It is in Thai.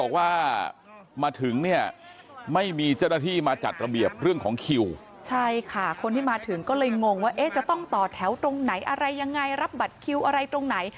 ก็เลยงงว่าจะต้องต่อแถวตรงไหนอะไรยังไงรับบัตรคิวอะไรตรงไหน